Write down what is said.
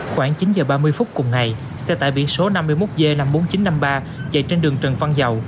khoảng chín h ba mươi phút cùng ngày xe tải biển số năm mươi một g năm mươi bốn nghìn chín trăm năm mươi ba chạy trên đường trần văn dầu